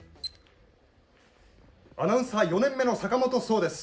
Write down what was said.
アナウンサー４年目の坂本聡です。